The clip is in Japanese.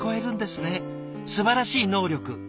すばらしい能力。